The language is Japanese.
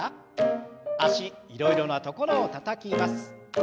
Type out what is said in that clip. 脚いろいろなところをたたきます。